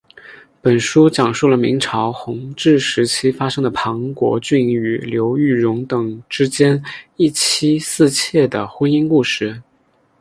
本书讲述了明朝弘治时期发生的庞国俊与刘玉蓉等之间一妻四妾的婚姻故事。